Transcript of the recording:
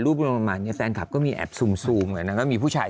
ประมาณนี้แฟนคลับก็มีแอบซูมเลยนางก็มีผู้ชาย